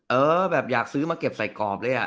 เออแบบอยากซื้อมาเก็บใส่กรอบเลยอ่ะ